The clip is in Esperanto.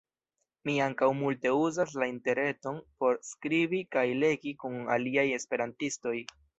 Mi ankaŭ multe uzas la interreton por skribi kaj legi kun aliaj esperantistoj.